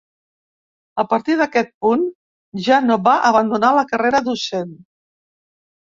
A partir d'aquest punt, ja no va abandonar la carrera docent.